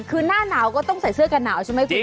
คือหน้าหนาวก็ต้องใส่เสื้อกันหนาวใช่ไหมคุณ